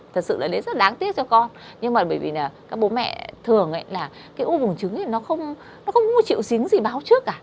thế rất là đáng tiếc cho con nhưng mà bởi vì là các bố mẹ thường là cái u buồn trứng thì nó không triệu chứng gì báo trước cả